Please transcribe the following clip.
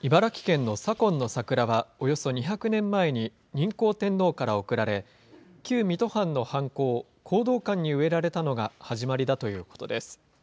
茨城県の左近の桜は、およそ２００年前に仁孝天皇から贈られ、旧水戸藩の藩校、弘道館に植えられたのが始まりだということです。